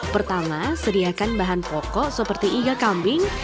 pertama sediakan bahan pokok seperti iga kambing